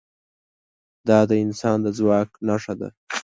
دا د انسان د ځواک نښه ده.